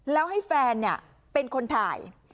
แล้วให้แฟนเป็นคนถ่าย